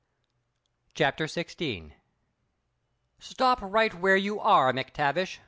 CHAPTER XVI "Stop right where you are, MacTavish!"